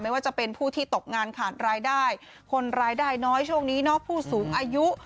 ว่าจะเป็นผู้ที่ตกงานขาดรายได้คนรายได้น้อยช่วงนี้เนาะผู้สูงอายุ